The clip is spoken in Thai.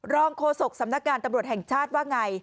โฆษกสำนักงานตำรวจแห่งชาติว่าไง